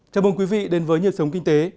chào mừng quý vị đến với nhịp sống kinh tế